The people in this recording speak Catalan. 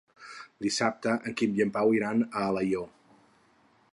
Dissabte en Quim i en Pau iran a Alaior.